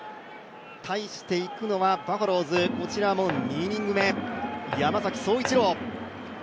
対して行くのはバファローズ、こちらも２イニング目山崎颯一郎。